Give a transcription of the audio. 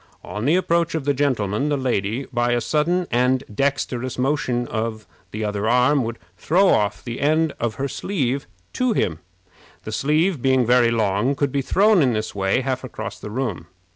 On the approach of the gentleman, the lady, by a sudden and dexterous motion other arm, would throw off the end of her sleeve to him. The sleeve, being very long, could be thrown in this way half across the room.